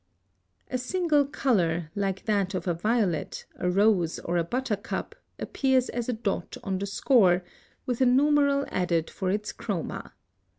(143) A single color, like that of a violet, a rose, or a buttercup, appears as a dot on the score, with a numeral added for its chroma.